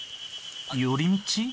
寄り道？